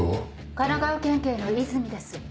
神奈川県警の和泉です